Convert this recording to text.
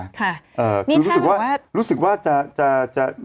ค่ะนี่ถ้าเมื่อวานรู้สึกว่าจะเนวาดาร์ใช่ไหม